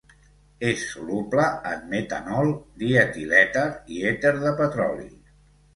És soluble en metanol, dietilèter i èter de petroli.